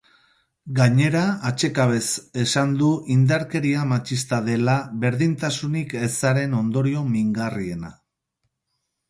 Gainera, atsekabez esan du indarkeria matxista dela berdintasunik ezaren ondorio mingarriena.